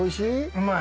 うまい！